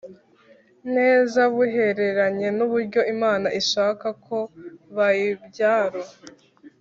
neza buhereranye n uburyo Imana ishaka ko bayi byaro